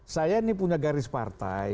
saya ini punya garis partai